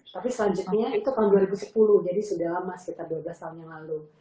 tapi selanjutnya itu tahun dua ribu sepuluh jadi sudah lama sekitar dua belas tahun yang lalu